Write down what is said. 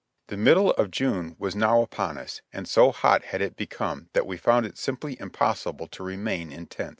The middle of June was now upon us, and so hot had it become that we found it simply impossible to remain in tents.